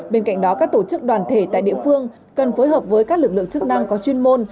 bên cạnh đó các tổ chức đoàn thể tại địa phương cần phối hợp với các lực lượng chức năng có chuyên môn